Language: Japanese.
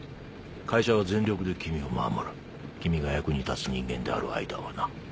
会社は全力で君を守る君が役に立つ人間である間はな。